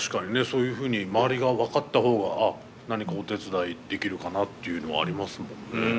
そういうふうに周りが分かった方が何かお手伝いできるかなっていうのはありますもんね。